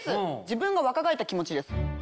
自分が若返った気持ちです。